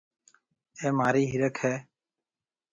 اَي مهاري هيَرک هيَ۔